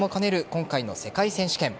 今回の世界選手権。